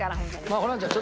ホランちゃん